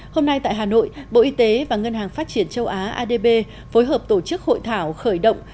hôm nay tại hà nội bộ y tế và ngân hàng phát triển châu á adb phối hợp tổ chức hội thảo khởi động